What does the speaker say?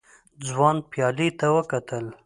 ځوان پيالې ته وکتل.